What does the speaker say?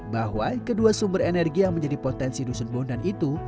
bahwa kedua sumber energi yang menjadi potensi dusun bondan itu